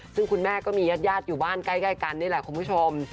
ซึ่งคุณแม่ก็มีญาติอยู่บ้านใกล้กันนี่แหละคุณผู้ชม